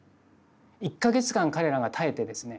１か月間彼らが耐えてですね